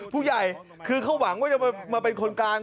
ผู้ใหญ่คิดว่าเขาหวังมาเป็นคนกลาง